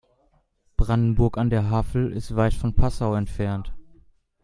Brandenburg an der Havel ist weit von Passau entfernt